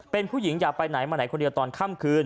เป็นผู้หญิงอย่าไปไหนมาไหนคนเดียวตอนค่ำคืน